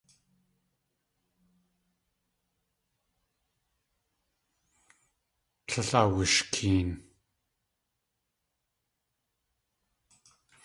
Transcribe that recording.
Tlél awushkeen.